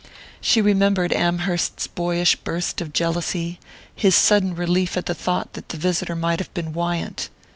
She remembered Amherst's boyish burst of jealousy, his sudden relief at the thought that the visitor might have been Wyant.